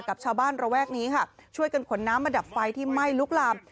กับชาวบ้านระแวกนี้ค่ะช่วยกันขนน้ำมาดับไฟที่ไหม้ลุกลาม